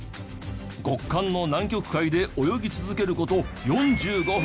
極寒の南極海で泳ぎ続ける事４５分。